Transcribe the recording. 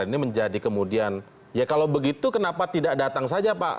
ini menjadi kemudian ya kalau begitu kenapa tidak datang saja pak